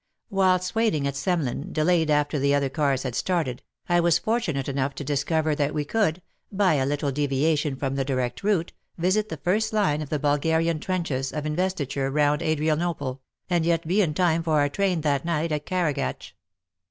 Whilst waiting at Semlin — delayed after the other cars had started — I was fortunate enough to discover that we could, by a litde deviation from the direct route, visit the first line of the Bulgarian trenches of investiture round Adria nople, and yet be in time for our train that night at Karagatch.